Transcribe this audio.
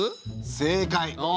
正解。